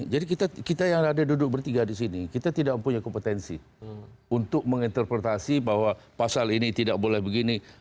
jadi kita yang ada duduk bertiga di sini kita tidak punya kompetensi untuk menginterpretasi bahwa pasal ini tidak boleh begini